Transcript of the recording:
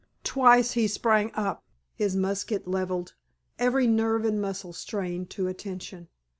Twice he sprang up, his musket leveled, every nerve and muscle strained to attention.